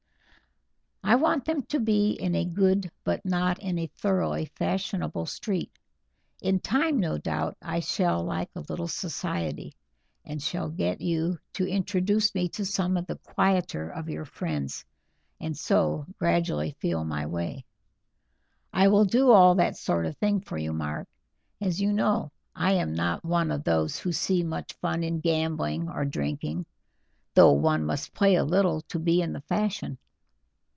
"I want them to be in a good but not in a thoroughly fashionable street. In time, no doubt, I shall like a little society, and shall get you to introduce me to some of the quieter of your friends, and so gradually feel my way." "I will do all that sort of thing for you, Mark. As you know, I am not one of those who see much fun in gambling or drinking, though one must play a little to be in the fashion.